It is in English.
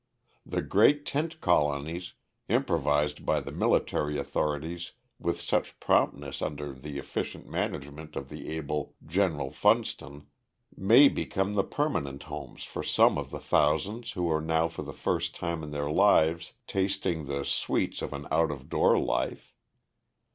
"The great tent colonies, improvised by the military authorities with such promptness under the efficient management of the able General Funston, may become the permanent homes for some of the thousands who are now for the first time in their lives tasting the sweets of an out of door life.